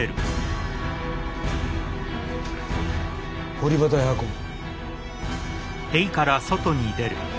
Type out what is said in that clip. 堀端へ運ぶ。